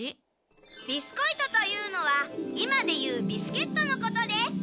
ビスコイトというのは今で言うビスケットのことです！